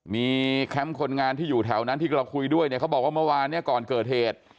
มีแคมป์คนงานที่อยู่แถวนั้นที่เราคุยด้วยเนี่ยเขาบอกว่าเมื่อวานเนี่ยก่อนเกิดเหตุ